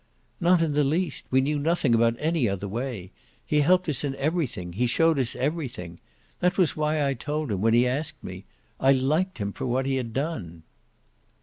"Not in the least. We knew nothing about any other way. He helped us in everything he showed us everything. That was why I told him when he asked me. I liked him for what he had done."